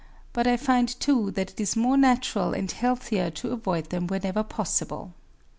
But I find too that it is more natural and healthier to avoid them whenever possible.